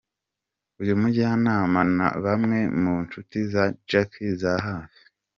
Uyu mujyanama na bamwe mu nshuti za Jackie za hafi,.